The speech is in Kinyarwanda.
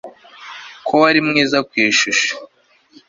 ko wari mwiza ku ishusho